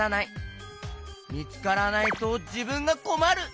みつからないとじぶんがこまる。